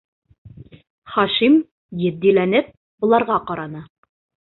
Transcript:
- Хашим, етдиләнеп, быларға ҡараны.